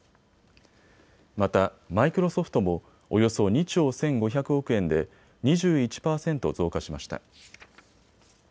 また、マイクロソフトもおよそ２兆１５００億円で２１％増加しました。